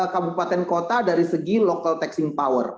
kabupaten kota dari segi local taxing power